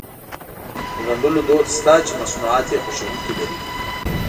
د ګنډلو دود شته چې مصنوعات يې خوښوونکي لري.